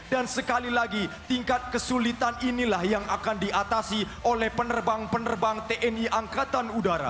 dan sekali lagi tingkat kesulitan inilah yang akan diatasi oleh penerbang penerbang tni angkatan udara